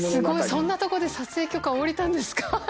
そんなとこで撮影許可下りたんですか！